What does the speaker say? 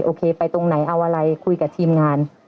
โอเคไปตรงไหนเอาอะไรคุยกับทีมงาน